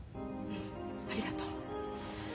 ありがとう。